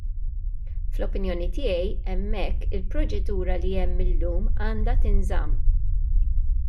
Fl-opinjoni tiegħi hemmhekk il-proċedura li hemm illum għandha tinżamm.